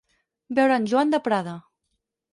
Veure en Joan de Prada.